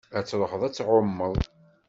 Ad truḥeḍ ad tɛummeḍ?